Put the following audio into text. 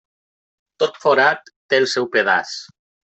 Tot forat té el seu pedaç.